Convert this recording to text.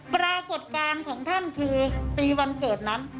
ปรากฏการณ์ของท่านคือปีวันเกิดนั้น